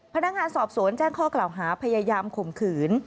พนักงานสอบสวนแจ้งข้อกล่าวหาพยายามข่มขืน